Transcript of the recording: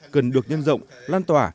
cần được nhân rộng lan tỏa